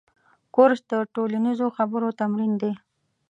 کورس د ټولنیزو خبرو تمرین دی.